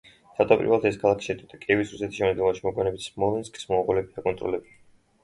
თავდაპირველად ეს ქალაქი შედიოდა კიევის რუსეთის შემადგენლობაში, მოგვიანებით სმოლენსკს მონღოლები აკონტროლებდნენ.